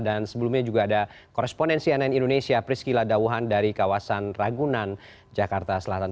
dan sebelumnya juga ada koresponen cnn indonesia prisky ladawuhan dari kawasan ragunan jakarta selatan